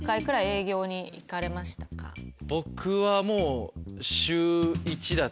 僕はもう。